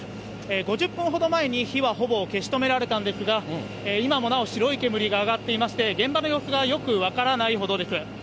５０分ほど前に、火はほぼ消し止められたんですが、今もなお、白い煙が上がっていまして、現場の様子がよく分からないほどです。